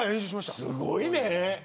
すごいね。